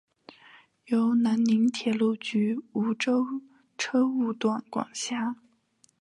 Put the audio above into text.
由南宁铁路局梧州车务段管辖。